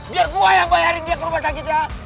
biar gue yang bayarin dia ke rumah sakit ya